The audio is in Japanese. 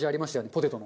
ポテトの。